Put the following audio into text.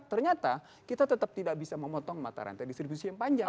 ternyata kita tetap tidak bisa memotong mata rantai distribusi yang panjang